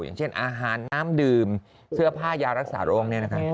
อย่างเช่นอาหารน้ำดื่มเสื้อผ้ายารักษาโรง